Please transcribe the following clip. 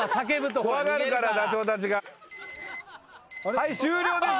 はい終了です。